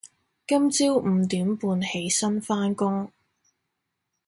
今朝五點半起身返工